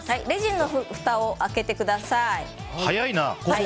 レジンのふたを開けてください。